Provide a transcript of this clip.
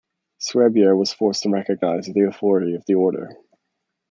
Suerbeer was forced to recognize the authority of the Order.